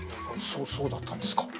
そうだったんですか。